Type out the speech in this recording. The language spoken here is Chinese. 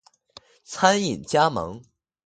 餐饮加盟